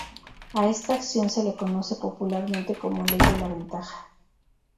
A esta acción se le conoce popularmente como "ley de la ventaja".